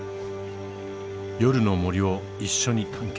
夜の森を一緒に探検。